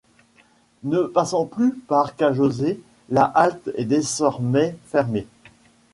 Ne passant plus par Kjose, la halte est désormais fermée.